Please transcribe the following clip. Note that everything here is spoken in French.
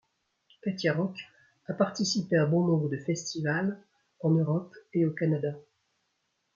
Kathia Rock a participé à bon nombre de festivals en Europe et au Canada.